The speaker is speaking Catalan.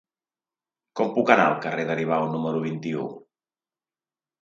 Com puc anar al carrer d'Aribau número vint-i-u?